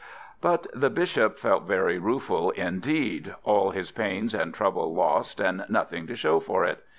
But the Bishop felt very rueful indeed. All his pains and trouble lost, and nothing to show for it!